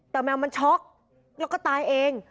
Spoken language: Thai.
แต่แมวมันช็อกแล้วก็ตายเอง